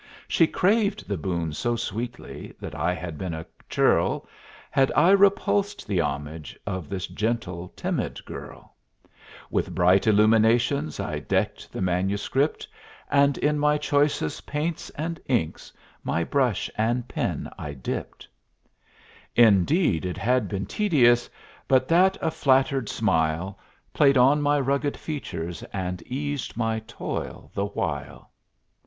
She craved the boon so sweetly That I had been a churl Had I repulsed the homage Of this gentle, timid girl; With bright illuminations I decked the manuscript, And in my choicest paints and inks My brush and pen I dipt. Indeed it had been tedious But that a flattered smile Played on my rugged features And eased my toil the while.